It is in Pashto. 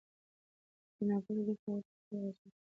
له جنابت وروسته غسل کول واجب دي.